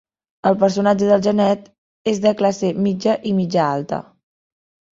El personatge del genet és de classe mitja i mitja-alta.